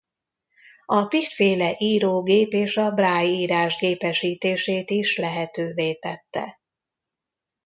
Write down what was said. A Picht-féle írógép a Braille-írás gépesítését is lehetővé tette.